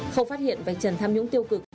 không phát hiện vạch trần tham nhũng tiêu cực